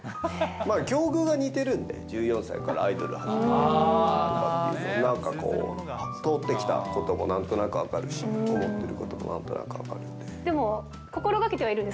まあ、境遇が似てるんで、１４歳からアイドルを始めてるので、なんかこう、通ってきたこともなんとなく分かるし、思っていることもなんとなく分かるんで。